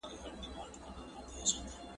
يووالی تر بې اتفاقۍ ډېر ځواک لري.